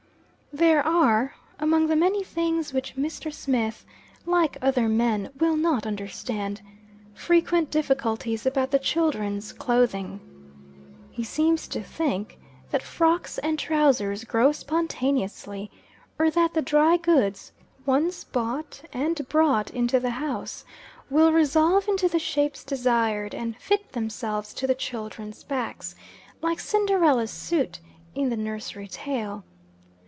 THERE are, among the many things which Mr. Smith, like other men, will not understand, frequent difficulties about the children's clothing. He seems to think that frocks and trowsers grow spontaneously; or that the dry goods, once bought and brought into the house, will resolve into the shapes desired, and fit themselves to the children's backs, like Cindarella's suit in the nursery tale.